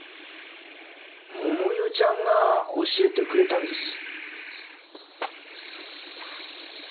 桃代ちゃんが教えてくれたんです。